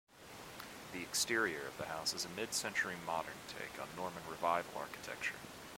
The exterior of the house is a mid-century modern take on Norman revival architecture.